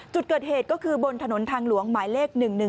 จุดเกิดเหตุก็คือบนถนนทางหลวงหมายเลข๑๑๒